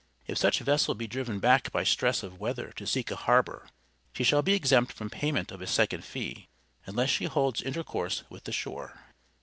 If such vessel be driven back by stress of weather to seek a harbor, she shall be exempt from payment of a second fee, unless she holds intercourse with the shore.